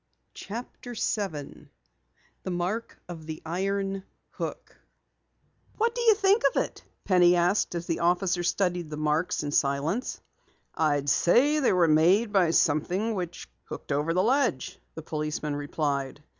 CHAPTER 7 MARK OF THE IRON HOOK "What do you think of it?" Penny asked as the officer studied the marks in silence. "I'd say they were made by something which hooked over the ledge," the policeman replied.